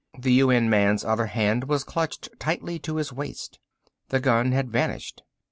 The UN man's other hand was clutched tightly to his waist. The gun had vanished.